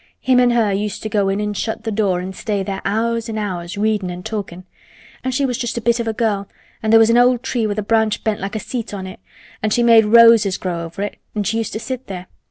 Him an' her used to go in an' shut th' door an' stay there hours an' hours, readin' and talkin'. An' she was just a bit of a girl an' there was an old tree with a branch bent like a seat on it. An' she made roses grow over it an' she used to sit there.